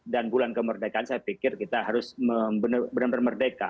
dan bulan kemerdekaan saya pikir kita harus benar benar merdeka